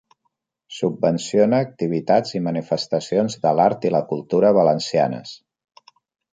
Subvencione activitats i manifestacions de l'art i la cultura valencianes.